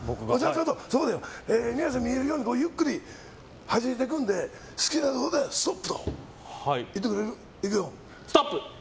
そこで皆さんに見えるようにゆっくり弾いていくので好きなところでストップと言ってくれる？